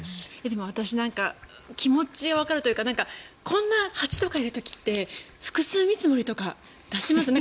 でも私は気持ちはわかるというかこんな蜂とかいる時って複数見積もりとか出しますよね。